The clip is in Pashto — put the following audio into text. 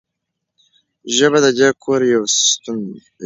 ژبه د دې کور یو ستون دی.